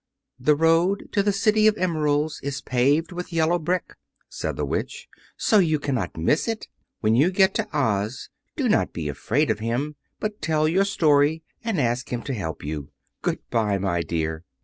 "The road to the City of Emeralds is paved with yellow brick," said the Witch, "so you cannot miss it. When you get to Oz do not be afraid of him, but tell your story and ask him to help you. Good bye, my dear."